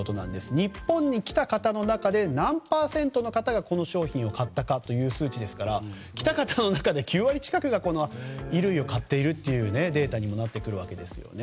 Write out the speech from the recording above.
日本に来た方の中で何パーセントの方がこの商品を買ったかという数値ですから、来た方の中で９割近くが衣類を買っているというデータにもなってくるんですね。